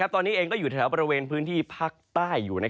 ตอนนี้เองก็อยู่แถวบริเวณพื้นที่ภาคใต้อยู่